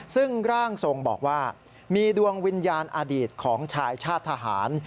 ซึ่งร่างทรงบอกว่ามีดวงวิญญาณอดีตของชายชาติทหาร